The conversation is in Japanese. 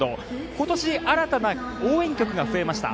今年、新たな応援曲が増えました。